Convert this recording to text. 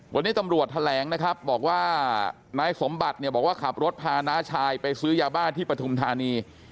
วันนี้ตำรวจแถลงนะครับบอกว่านายสมบัติเนี่ยบอกว่าขับรถพาน้าชายไปซื้อยาบ้าที่ปฐุมธานี